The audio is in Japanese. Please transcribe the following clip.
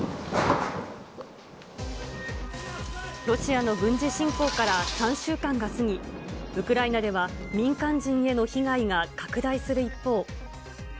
ロシアの軍事侵攻から３週間が過ぎ、ウクライナでは民間人への被害が拡大する一方。